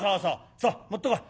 そう持ってこい。